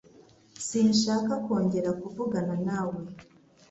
Sinshaka kongera kuvugana nawe